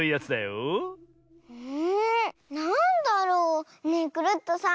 なんだろう？ねえクルットさん